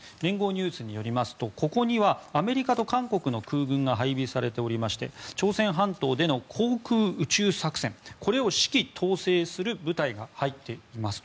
ニュースによりますとここにはアメリカと韓国の空軍が配備されておりまして朝鮮半島での航空宇宙作戦を指揮・統制する部隊が入っています。